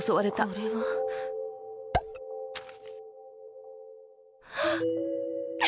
これは。はっ！